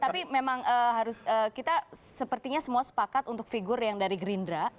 tapi memang harus kita sepertinya semua sepakat untuk figur yang dari gerindra